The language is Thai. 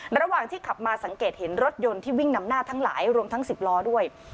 ระหว่างที่ขับมาสังเกตเห็นรถยนต์ที่วิ่งนำหน้าทั้งหลายรวมทั้ง๑๐ล้อด้วย